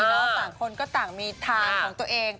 แล้วสามคนก็ต่างมีทางของตัวเอง